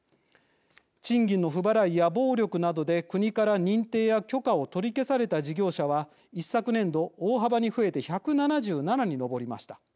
賃金の不払いや暴力などで国から認定や許可を取り消された事業者は一昨年度、大幅に増えて１７７に上りました。